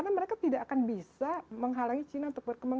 karena mereka tidak akan bisa menghalangi china untuk berkembang